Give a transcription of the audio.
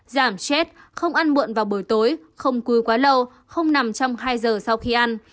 giảm chết không ăn muộn vào buổi tối không cúi quá lâu không nằm trong hai giờ sau khi ăn